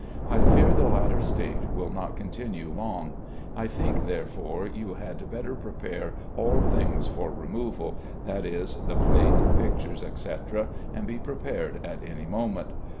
I fear the latter state will not continue long. ... I think therefore you had better prepare all things for removal, that is, the plate, pictures, etc., and be prepared at any moment.